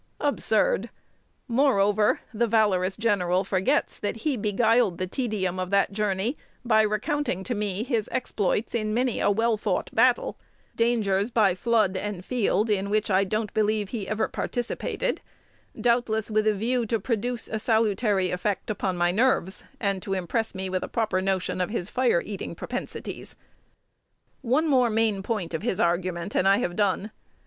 Absurd! Moreover, the valorous general forgets that he beguiled the tedium of the journey by recounting to me his exploits in many a well fought battle, dangers by "flood and field" in which I don't believe he ever participated, doubtless with a view to produce a salutary effect on my nerves, and impress me with a proper notion of his fire eating propensities. One more main point of his argument, and I have done.